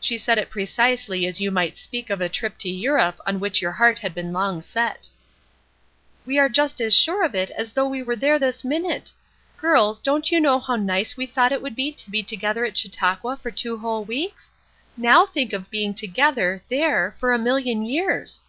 She said it precisely as you might speak of a trip to Europe on which your heart had long been set. "We are just as sure of it as though we were there this minute! Girls, don't you know how nice we thought it would be to be together at Chautauqua for two whole weeks? Now think of being together, there, for a million years!"